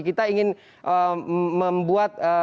kita ingin membuat